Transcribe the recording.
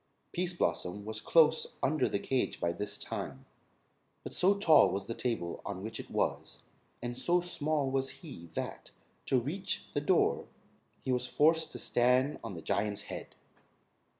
Pease Blossom was close under the cage by this time, but so tall was the table on which it was, and so small was he that, to reach the door, he was forced to stand on the Giant's head.